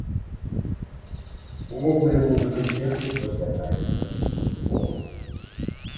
Увогуле музыка цесна пераплятаецца з футболам.